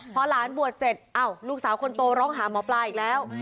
พอหลานบวชเสร็จลูกสาวคนโตร้องหาหมอปลาอีกแล้ว